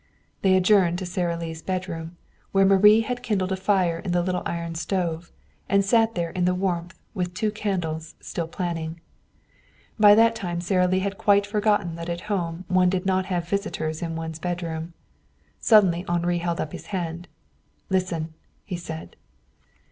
They adjourned to Sara Lee's bedroom, where Marie had kindled a fire in the little iron stove, and sat there in the warmth with two candles, still planning. By that time Sara Lee had quite forgotten that at home one did not have visitors in one's bedroom. Suddenly Henri held up his hand. "Listen!" he said.